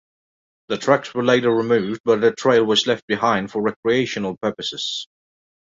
The tracks were later removed but the trail was left behind for recreational purposes.